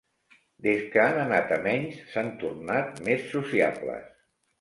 Des que han anat a menys, s'han tornat més sociables.